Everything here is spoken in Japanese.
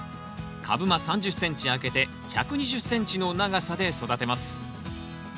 株間３０ｃｍ空けて１２０ｃｍの長さで育てます。